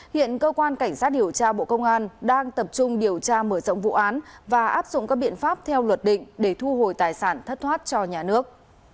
hiện cơ quan cảnh sát điều tra bộ công an đang tập trung điều tra mở rộng vụ án và áp dụng các biện pháp theo luật định để thu hồi tài sản thất thoát cho nhà nước